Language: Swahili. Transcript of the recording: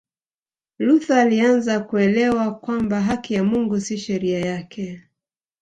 Luther alianza kuelewa kwamba haki ya Mungu si sheria yake